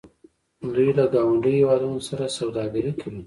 دوی له ګاونډیو هیوادونو سره سوداګري کوي.